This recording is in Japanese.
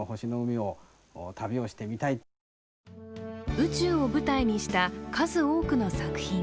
宇宙を舞台にした数多くの作品。